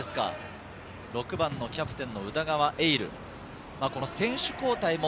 ６番のキャプテンの宇田川瑛